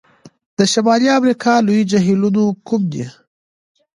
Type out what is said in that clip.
د شمالي امریکا لوی جهیلونو کوم دي؟